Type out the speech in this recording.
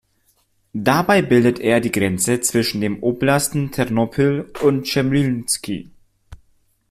Dabei bildet er die Grenze zwischen den Oblasten Ternopil und Chmelnyzkyj.